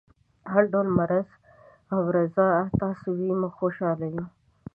هر ډول مرضي او رضای تاسو وي موږ خوشحاله یو.